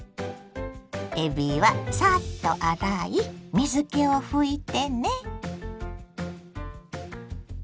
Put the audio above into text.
えびはサッと洗い水けを拭いてね。